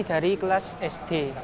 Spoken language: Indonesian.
dari kelas sd